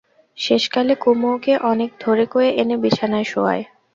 শেষকালে কুমু ওকে অনেক ধরে কয়ে এনে বিছানায় শোওয়ায়।